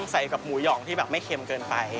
ใส่กับหมูห่องที่แบบไม่เค็มเกินไป